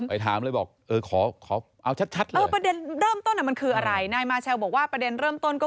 ไปถามเลยบอกเออขอเอาชัดเลย